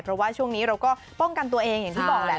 เพราะว่าช่วงนี้เราก็ป้องกันตัวเองอย่างที่บอกแหละ